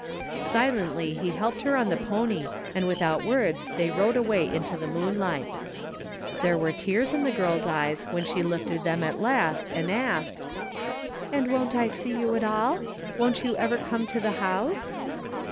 Silently he helped her on the pony and without words they rode away into the moonlight. There were tears in the girl's eyes when she lifted them at last and asked :" And won't I see you at all ? Won't you ever come to the house?"